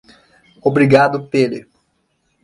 Obrigado Pere.